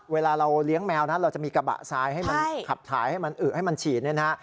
เวลาเราเลี้ยงแมวเราจะมีกระบะทรายให้มันขับถ่ายให้มันฉีน